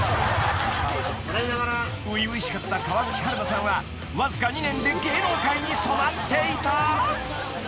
［初々しかった川口春奈さんはわずか２年で芸能界に染まっていた］